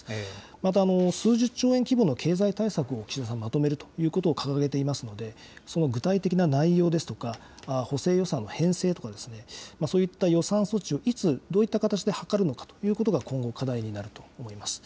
また、数十兆円規模の経済対策を岸田さん、まとめるというところを掲げていますので、その具体的な内容ですとか、補正予算の編成とか、そういった予算措置をいつ、どういった形で諮るのかということが、今後課題になると思います。